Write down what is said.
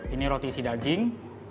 ini roti isi daging